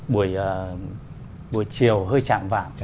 buổi chiều hơi chạm vạm